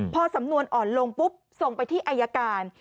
พอสำนวนอ่อนลงปุ๊บส่งไปที่อายการ